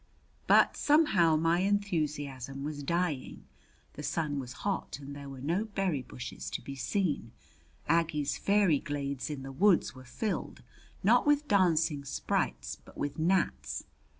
But somehow my enthusiasm was dying. The sun was hot and there were no berry bushes to be seen. Aggie's fairy glades in the woods were filled, not with dancing sprites, but with gnats.